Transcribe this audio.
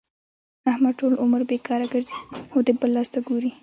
احمد ټول عمر بېکاره ګرځي او د بل لاس ته ګوري.